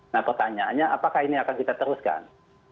nah pertanyaannya apakah ini akan kita teruskan